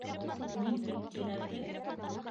Мин бит терапевт.